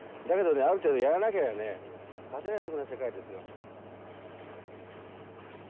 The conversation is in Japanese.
だけどねある程度やらなきゃね勝てないのがこの世界ですよ。